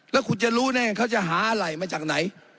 แล้วคุณจะรู้แน่เขาจะหาอะไรมาจากไหน